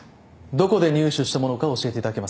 どこで入手したものか教えていただけますか。